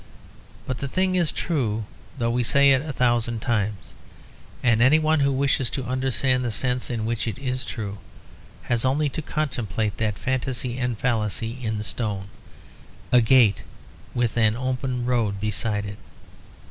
But the thing is true though we say it a thousand times. And any one who wishes to understand the sense in which it is true has only to contemplate that fantasy and fallacy in stone; a gate with an open road beside it.